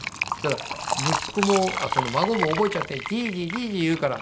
息子も孫も覚えちゃって「じいじじいじ」言うから。